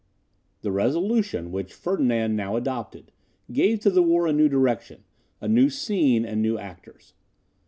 The resolution which Ferdinand now adopted, gave to the war a new direction, a new scene, and new actors.